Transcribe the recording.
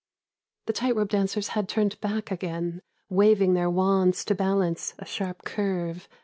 The tight rope dancers had turned back again Waving their wands to balance a sharp curve.